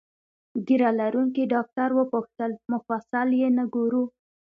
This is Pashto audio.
ږیره لرونکي ډاکټر وپوښتل: مفصل یې نه ګورو؟